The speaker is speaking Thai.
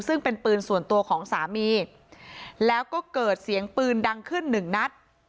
ซึ่งเป็นปืนส่วนตัวของสามีแล้วก็เกิดเสียงปืนดังขึ้นหนึ่งนัด